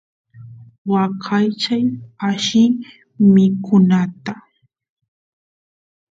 waqaychay alli mikunata